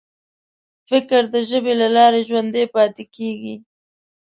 فکر د ژبې له لارې ژوندی پاتې کېږي.